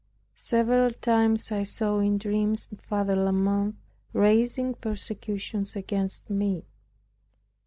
Several times I saw in dreams Father La Mothe raising persecutions against me.